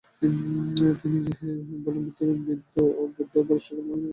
তিনি বলেন যে, বুদ্ধ অপর সকল মানুষের উপরে মাথা তুলিয়া দাঁড়াইয়া আছেন।